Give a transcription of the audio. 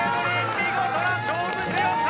見事な勝負強さ！